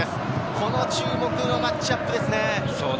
この注目のマッチアップですね。